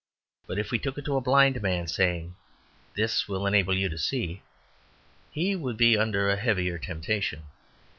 But if we took it to a blind man, saying, "This will enable you to see," he would be under a heavier temptation.